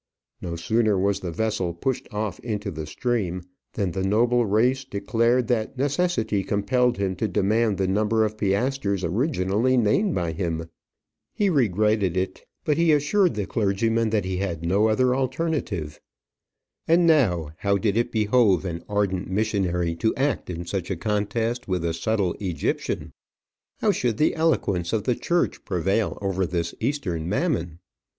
No sooner was the vessel pushed off into the stream, than the noble reis declared that necessity compelled him to demand the number of piastres originally named by him. He regretted it, but he assured the clergyman that he had no other alternative. And now how did it behove an ardent missionary to act in such a contest with a subtle Egyptian? How should the eloquence of the church prevail over this Eastern Mammon?